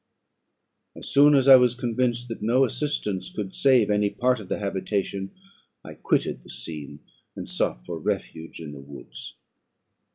"As soon as I was convinced that no assistance could save any part of the habitation, I quitted the scene, and sought for refuge in the woods.